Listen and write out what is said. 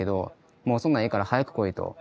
もうそんなんええから早く来いと。